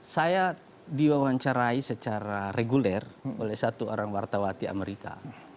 saya diwawancarai secara reguler oleh satu orang wartawati amerika